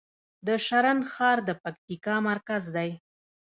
د شرن ښار د پکتیکا مرکز دی